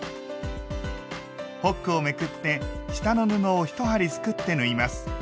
ホックをめくって下の布を１針すくって縫います。